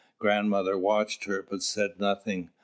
Grandmother watched her, but said nothing.